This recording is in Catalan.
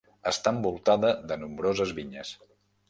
Està envoltada de nombroses vinyes.